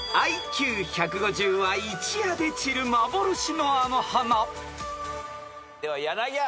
［ＩＱ１５０は一夜で散る幻のあの花］では柳原。